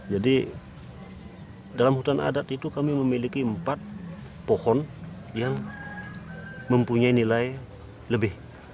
jadi dalam hutan adat itu kami memiliki empat pohon yang mempunyai nilai lebih